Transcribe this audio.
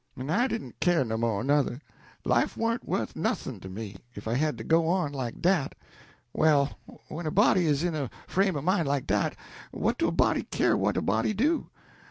En I didn't care no mo', nuther life warn't wuth noth'n' to me, if I got to go on like dat. Well, when a body is in a frame o' mine like dat, what do a body care what a body do?